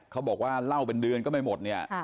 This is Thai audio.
เขาบอกว่าเล่าเป็นเดือนก็ไม่หมดเนี่ย